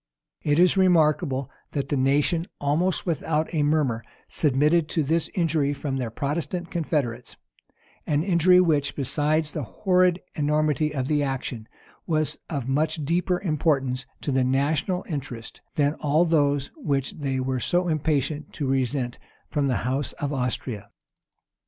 It is remarkable, that the nation, almost without a murmur, submitted to this injury from their Protestant confederates; an injury which, besides the horrid enormity of the action, was of much deeper importance to national interest, than all those which they were so impatient to resent from the house of Austria.